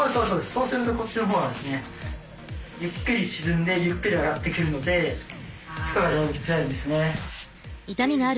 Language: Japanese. そうするとこっちのほうがですねゆっくり沈んでゆっくり上がってくるのでつらいですね。